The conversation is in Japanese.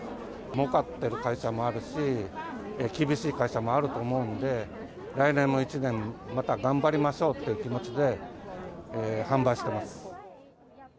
もうかってる会社もあるし、厳しい会社もあると思うんで、来年も一年、また頑張りましょうって気持ちで、販売してます。